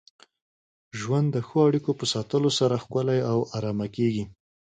ژوند د ښو اړیکو په ساتلو سره ښکلی او ارام کېږي.